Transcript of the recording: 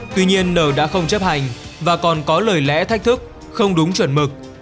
tuy nhiên n đã không chấp hành và còn có lời lẽ thách thức không đúng chuẩn mực